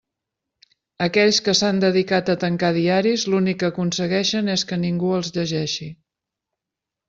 Aquells que s'han dedicat a tancar diaris l'únic que aconsegueixen és que ningú els llegeixi.